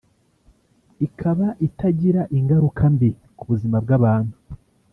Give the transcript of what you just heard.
ikaba itagira ingaruka mbi ku buzima bw’abantu